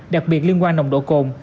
đặc biệt liên quan nồng độ côn